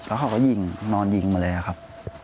แล้วเขาก็ยิงนอนยิงมาเลยครับ